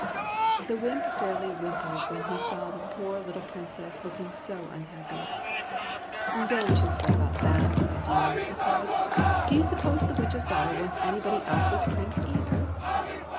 The wymp fairly wimpled when he saw the poor little Princess looking so unhappy. " Don't you fret about that, my little dear," he cried. '' Do you suppose the Witch's daugh ter wants anybody else's Prince, either